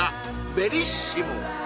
ベリッシモ